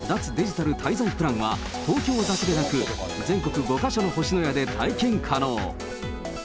この脱デジタル滞在プランは、東京だけでなく、全国５か所の星のやで体験可能。